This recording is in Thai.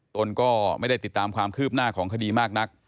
ตนก็ไม่ได้ติดตามความคืบหน้าของคดีมากนัก